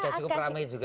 sudah cukup ramai juga